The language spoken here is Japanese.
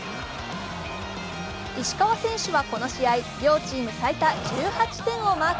石川選手はこの試合、両チーム最多１８点をマーク。